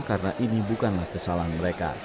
karena ini bukanlah kesalahan mereka